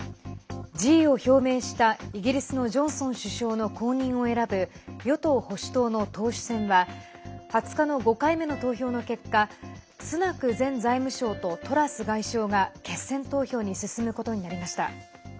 辞意を表明したイギリスのジョンソン首相の後任を選ぶ与党・保守党の党首選は２０日の５回目の投票の結果スナク前財務相とトラス外相が決選投票に進むことになりました。